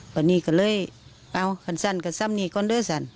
วันนี้ก็เลยเอ้าคันสั้นกับสามีก่อนด้วยสัน